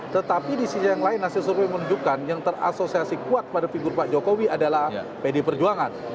tetapi di sisi yang lain hasil survei menunjukkan yang terasosiasi kuat pada figur pak jokowi adalah pdi perjuangan